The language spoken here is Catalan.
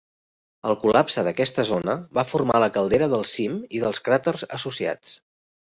El col·lapse d'aquesta zona va formar la caldera del cim i dels cràters associats.